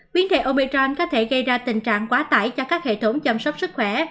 biến thể obechain có thể gây ra tình trạng quá tải cho các hệ thống chăm sóc sức khỏe